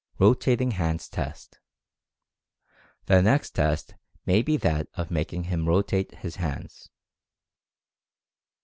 ROTATING HANDS TEST. The next test may be that of making him rotate his hands.